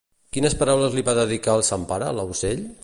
Quines paraules li va dedicar el sant pare a l'aucell?